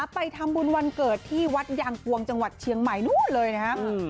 ไปทำบุญวันเกิดที่วัดยางกวงจังหวัดเชียงใหม่นู่นเลยนะครับ